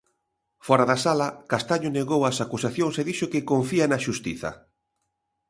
Fóra da sala, Castaño negou as acusacións e dixo que confía na Xustiza.